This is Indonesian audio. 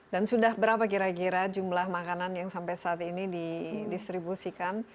dan sudah berapa kira kira jumlah makanan yang sampai saat ini di distribusikan